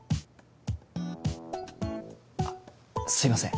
あっすいません